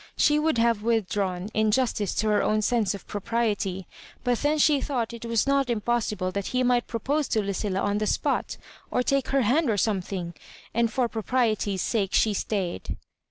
She would have withdrawn, in justice to her own sense of propriety ; but then she thought it was not im possible that he might propose to Lucilla on the spot, or take her hand or something, and for pro priety's sake she stayed.